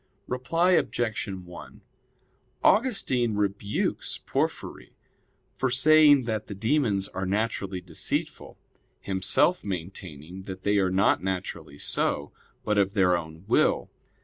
Reply Obj. 1: Augustine rebukes Porphyry for saying that the demons are naturally deceitful; himself maintaining that they are not naturally so, but of their own will.